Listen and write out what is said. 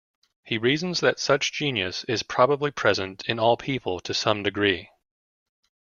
He reasons that such genius is probably present in all people to some degree.